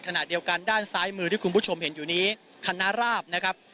ขณะเดียวกันด้านซ้ายมือที่คุณผู้ชมเห็นอยู่นี้คณะราบนะครับ